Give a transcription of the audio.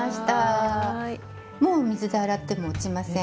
もう水で洗っても落ちません。